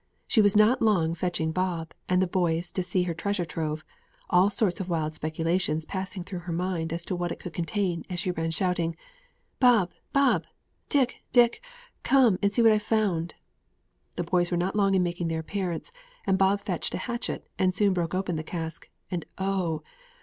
She was not long fetching Bob and the boys to see her treasure trove; all sorts of wild speculations passing through her mind as to what it could contain as she ran shouting "Bob! Bob! Dick! Dick! Come and see what I've found." [Illustration: "'DICK, DICK, COME AND SEE WHAT I'VE FOUND.'" (See page 96.)] The boys were not long in making their appearance, and Bob fetched a hatchet, and soon broke open the cask; and oh!